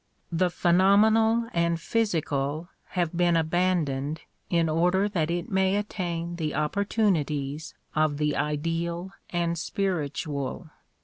The phenomenal and physical have been abandoned in order that it may attain the opportunities of the ideal and spiritual.